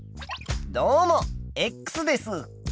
どうもです。